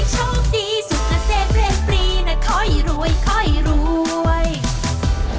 เชิญรู้ว่าผมใช้รอยแดงจริงนะ